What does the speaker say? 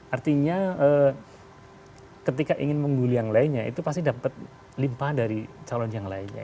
artinya ketika ingin mengguli yang lainnya itu pasti dapat limpah dari calon yang lainnya